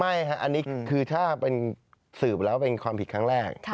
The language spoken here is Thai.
ไม่ครับอันนี้คือถ้าเป็นสืบแล้วเป็นความผิดครั้งแรก